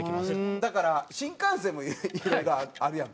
だから新幹線もいろいろあるやんか。